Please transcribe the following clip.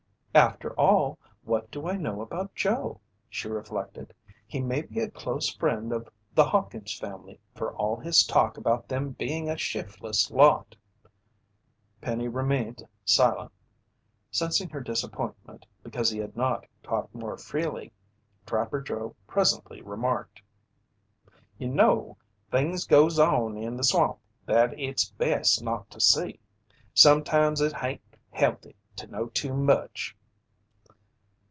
"After all, what do I know about Joe?" she reflected. "He may be a close friend of the Hawkins family for all his talk about them being a shiftless lot." Penny remained silent. Sensing her disappointment because he had not talked more freely, Trapper Joe presently remarked: "You know, things goes on in the swamp that it's best not to see. Sometimes it hain't healthy to know too much."